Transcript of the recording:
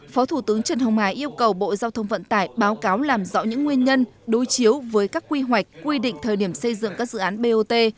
phó thủ tướng trần hồng hải yêu cầu bộ giao thông vận tải báo cáo làm rõ những nguyên nhân đối chiếu với các quy hoạch quy định thời điểm xây dựng các dự án bot